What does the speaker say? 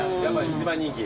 一番人気。